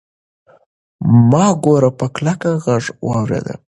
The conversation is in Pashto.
ما ګور په کلک غږ واورېد.